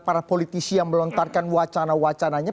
para politisi yang melontarkan wacana wacananya